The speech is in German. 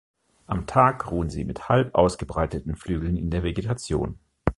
Am Tag ruhen sie mit halb ausgebreiteten Flügeln in der Vegetation.